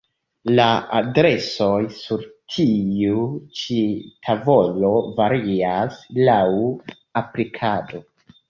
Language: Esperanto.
La adresoj sur tiu ĉi tavolo varias laŭ aplikado.